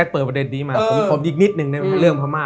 ผมอีกนิดหนึ่งเรื่องพระม่า